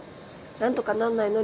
何とかなんないの？